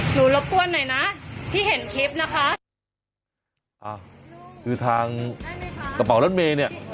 รบกวนหน่อยนะที่เห็นคลิปนะคะอ่าคือทางกระเป๋ารถเมย์เนี่ย